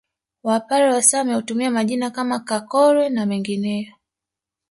Wapare wa Same hutumia majina kama Kakore na mengineyo